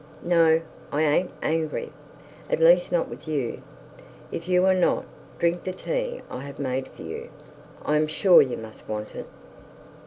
'No, I an't angry; at least not with you.' 'If you are not, drink the tea I have made for you. I am sure you must want it.'